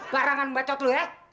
barangan bacot lo ya